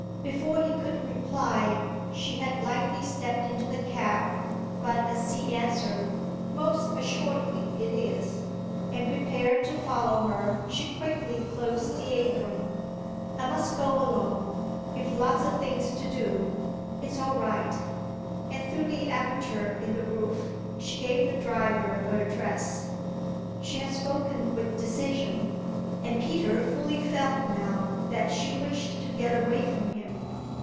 Before he could reply she had lightly stepped into the cab; but as he answered, "Most assuredly it is," and prepared to follow her she quickly closed the apron. "I must go alone; you've lots of things to do it's all right"; and through the aperture in the roof she gave the driver her address. She had spoken with decision, and Peter fully felt now that she wished to get away from him.